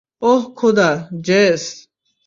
ওহ খোদা, জেস!